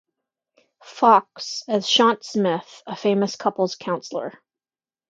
Fox as Shante Smith, a famous couple's counsellor.